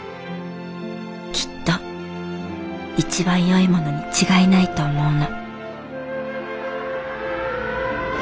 きっと一番よいものに違いないと思うの」。